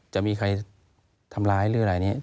จะมีใครทำร้ายหรืออะไรนี้